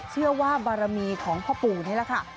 เชื่อว่าบารมีของพ่อปู่นี่แหละค่ะ